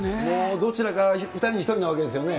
どちらか、２人に１人なわけですよね。